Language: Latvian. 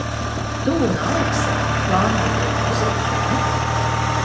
Tu un Aleksa plānojat to nozagt, vai ne?